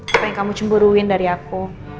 apa yang kamu cemburuin dari aku